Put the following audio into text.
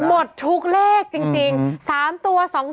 หมดทุกเลขจริง